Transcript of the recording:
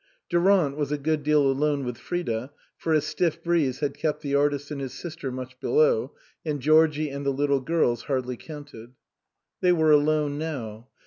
Durant was a good deal alone with Frida, for a stiff breeze had kept the artist and his sister much below, and Georgie and the little girls hardly counted. They were alone now.